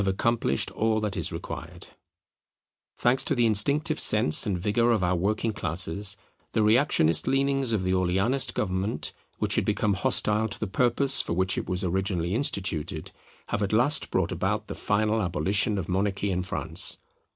Republicanism involves the great principle of subordinating Politics to Morals] Thanks to the instinctive sense and vigour of our working classes, the reactionist leanings of the Orleanist government, which had become hostile to the purpose for which it was originally instituted, have at last brought about the final abolition of monarchy in France.